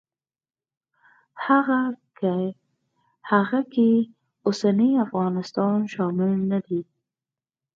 هغه کې اوسنی افغانستان شامل نه دی.